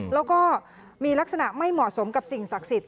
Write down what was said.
แล้วก็มีลักษณะไม่เหมาะสมกับสิ่งศักดิ์สิทธิ